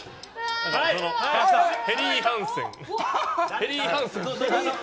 ヘリーハンセン。